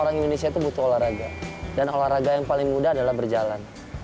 orang indonesia itu butuh olahraga dan olahraga yang paling mudah adalah berjalan